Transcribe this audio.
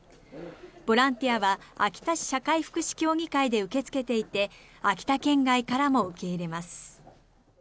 ボランティアは秋田市社会福祉協議会で受け付けていて秋田県外からも受け入れます。